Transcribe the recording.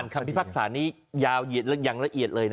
โดยที่ภาคศานี้ยาวอย่างละเอียดเลยนะ